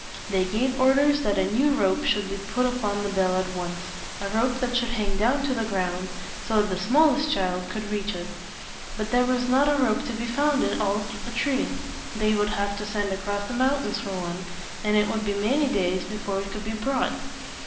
They gave orders that a new rope should be put upon the bell at once, a rope that should hang down to the ground, so that the smallest child could reach it. But there was not a rope to be found in all Atri. They would have to send across the mountains for one, and it would be many days before it could be brought.